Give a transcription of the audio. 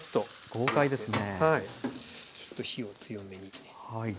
ちょっと火を強めに。